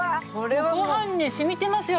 ご飯に染みてますよ